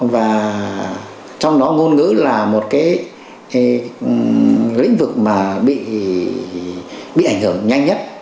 và trong đó ngôn ngữ là một cái lĩnh vực mà bị ảnh hưởng nhanh nhất